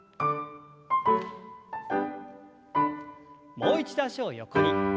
もう一度脚を横に。